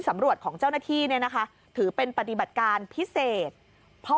ตำรวจของเจ้าหน้าที่เนี่ยนะคะถือเป็นปฏิบัติการพิเศษเพราะ